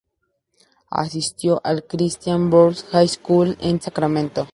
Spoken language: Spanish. Asistió al Christian Brothers High School en Sacramento.